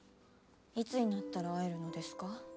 いつになったら会えるのですか。